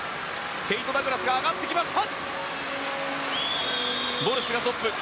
ケイト・ダグラスが上がってきた。